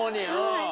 はい。